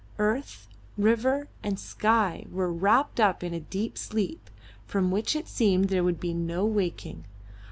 Earth, river, and sky were wrapped up in a deep sleep, from which it seemed there would be no waking.